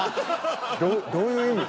どどういう意味？